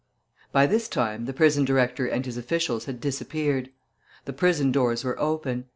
By this time the prison director and his officials had disappeared. The prison doors were open.